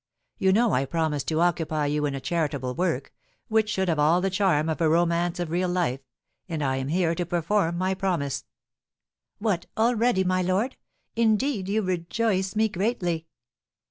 You know I promised to occupy you in a charitable work, which should have all the charm of a romance of real life; and I am here to perform my promise." "What, already, my lord? Indeed, you rejoice me greatly."